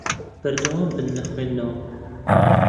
بەردەوام بن لە خوێندنەوە.